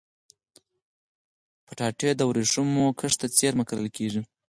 کچالو د ورېښمو کښت ته څېرمه کرل کېږي